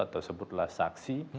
atau sebutlah saksi